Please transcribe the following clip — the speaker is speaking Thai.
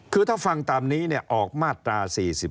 คือถ้าฟังตามนี้ออกมาตรา๔๔